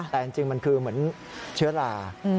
แต่จริงมันคือเหมือนเชื้อรา